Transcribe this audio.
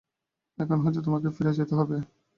এখান হইতেই তোমাকে ফিরিয়া যাইতে হইবে।